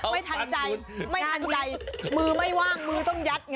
ไม่ทันใจมื้อไม่ว่างมื้อต้องแย็ด